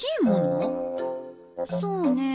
そうねえ。